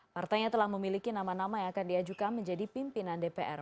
partainya telah memiliki nama nama yang akan diajukan menjadi pimpinan dpr